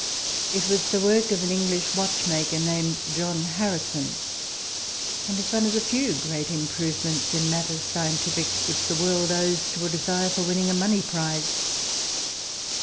It was the work of an English watchmaker named John Harrison, and is one of the few great improvements in matters scientific which the world owes to a desire for winning a money prize.